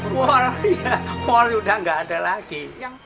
kual sudah tidak ada lagi